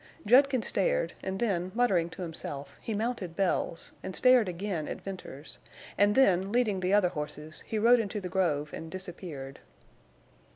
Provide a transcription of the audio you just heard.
Judkins stared, and then, muttering to himself, he mounted Bells, and stared again at Venters, and then, leading the other horses, he rode into the grove and disappeared.